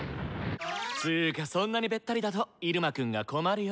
つうかそんなにべったりだと入間くんが困るよ。